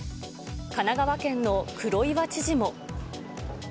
神奈川県の黒岩知事も。